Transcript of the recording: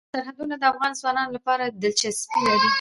سرحدونه د افغان ځوانانو لپاره دلچسپي لري.